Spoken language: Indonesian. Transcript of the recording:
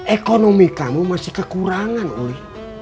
ekonomi kamu masih kekurangan oleh